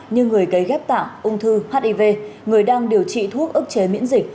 như người cấy ghép tạng ung thư hiv người đang điều trị thuốc ức chế miễn dịch